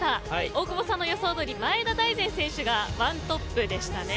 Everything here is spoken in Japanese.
大久保さんの予想どおり前田大然選手が１トップでしたね。